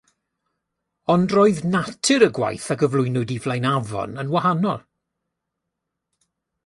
Ond roedd natur y gwaith a gyflwynwyd i Flaenafon yn wahanol.